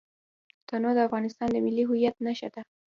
تنوع د افغانستان د ملي هویت نښه ده.